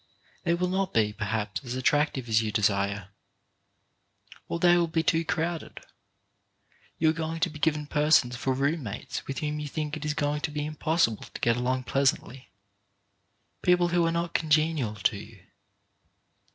They will not be, perhaps, as attractive as you desire, or they will be too crowded. You are going to be given persons for room mates with whom you think it is going to be impossible to get along pleasantly, people who are not congenial to you.